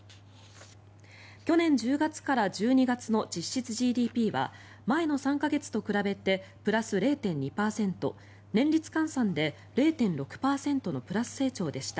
去年１０月から１２月の実質ＧＤＰは前の３か月と比べてプラス０．２％年率換算で０．６％のプラス成長でした。